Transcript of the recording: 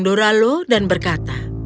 doralo dan berkata